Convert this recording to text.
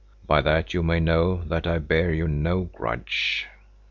By that you may know that I bear you no grudge."